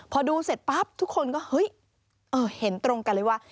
พอดูเสร็จปั๊บทุกคนก็เฮ้ยเห็นตรงกันเลยว่า